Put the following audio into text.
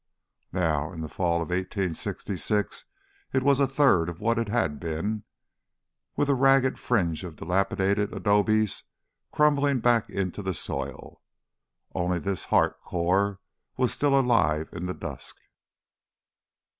Now, in the fall of 1866, it was a third of what it had been, with a ragged fringe of dilapidated adobes crumbling back into the soil. Only this heart core was still alive in the dusk.